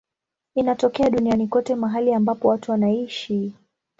Inatokea duniani kote mahali ambapo watu wanaishi.